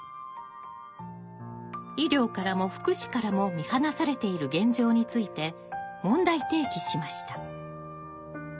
医療からも福祉からも見放されている現状について問題提起しました。